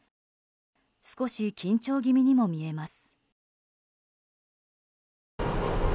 少し緊張気味にも見えます。